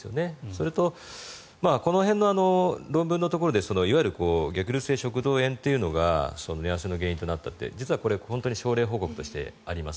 それと、この辺の論文のところでいわゆる逆流性食道炎というのが寝汗の原因となったって実はこれ本当に症例報告としてあります。